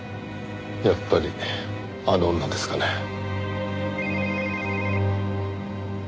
やっぱりあの女ですかね。